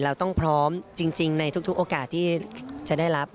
เราต้องพร้อมจริงในทุกโอกาสที่จะได้รับ